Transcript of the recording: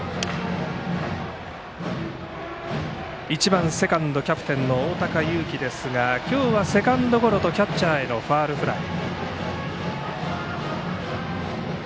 １番セカンドキャプテンの大高有生ですが今日はショートゴロとキャッチャーへのファウルフライ。